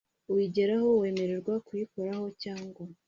uyigeraho wemererwa kuyikoramo cyangwa